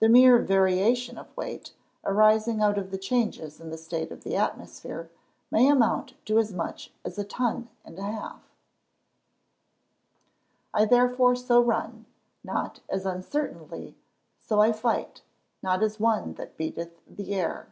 The mere variation of weight, arising out of the changes in the state of the atmosphere, may amount to as much as a ton and a half. [Verse: "I therefore so run, not as uncertainly; so fight I, not as one that beateth the air."